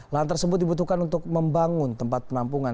lahan tersebut dibutuhkan untuk membangun tempat penampungan